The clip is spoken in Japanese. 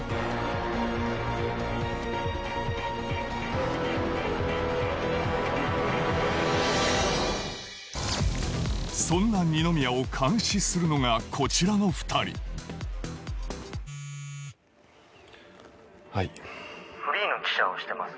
そしてそんな二宮を監視するのがこちらの２人「はい」「フリーの記者をしてます。